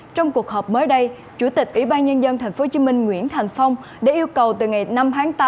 trong cuộc họp mới đây chủ tịch ubnd tp hcm nguyễn thành phong đã yêu cầu từ ngày năm tháng tám